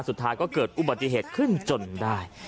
สุดท้ายก็เกิดอุบัติเหตุขึ้นจนได้